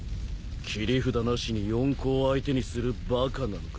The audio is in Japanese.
切り札なしに四皇を相手にするバカなのか？